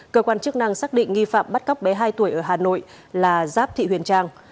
cơ quan chức năng xác định nghi phạm bắt cóc bé hai tuổi ở hà nội là giáp thị huyền trang